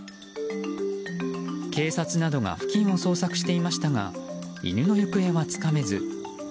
警察などが付近を捜索していましたが犬の行方はつかめず。